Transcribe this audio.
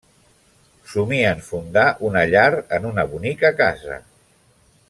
Somien fundar una llar en una bonica casa.